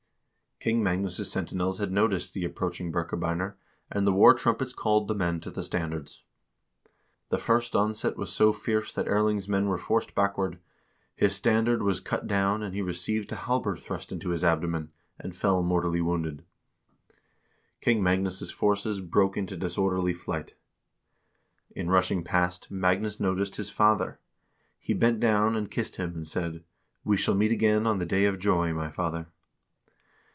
1 King Magnus' sentinels had noticed the approaching Birkebeiner, and the war trumpets called the men to the standards. The first onset was so fierce that Erling's men were forced backward, his standard was cut down, and he received a halberd thrust in the abdomen, and fell mortally wounded, jj King Magnus' forces broke into disorderly flight. In rushing past, Magnus noticed his father; he bent down and kissed him and said :" We shall meet again on the day of joy, my father."